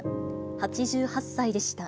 ８８歳でした。